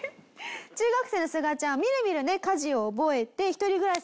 中学生のすがちゃんはみるみるね家事を覚えて一人暮らし